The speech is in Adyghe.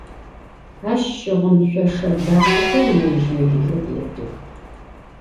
Aş şığın şsoşşe daxexer yêj - yêjıreu yêdıx.